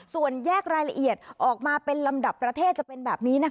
ส่วนแยกรายละเอียดออกมาเป็นลำดับประเทศจะเป็นแบบนี้